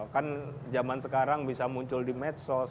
kan zaman sekarang bisa muncul di medsos